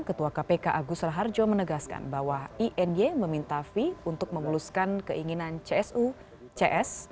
ketua kpk agus raharjo menegaskan bahwa iny meminta v untuk memuluskan keinginan csu cs